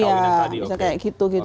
ya misalnya kayak gitu gitu